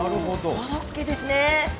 コロッケですね。